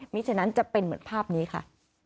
ฉะนั้นจะเป็นเหมือนภาพนี้ค่ะ